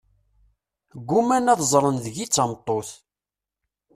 Gguman ad ẓẓren deg-i tameṭṭut.